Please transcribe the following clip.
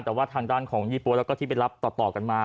แต่ว่าทางด้านของยี่ปั๊วแล้วก็ที่ไปรับต่อกันมา